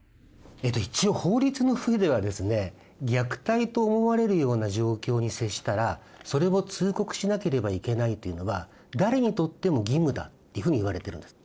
一応法律の上ではですね虐待と思われるような状況に接したらそれを通告しなければいけないというのは誰にとっても義務だというふうにいわれているんです。